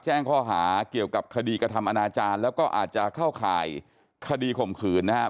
แจ้งข้อหาเกี่ยวกับคดีกระทำอนาจารย์แล้วก็อาจจะเข้าข่ายคดีข่มขืนนะครับ